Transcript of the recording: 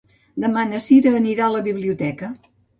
Demà na Cira anirà a la biblioteca.